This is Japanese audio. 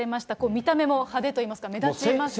見た目も派手といいますか、目立ちますよね。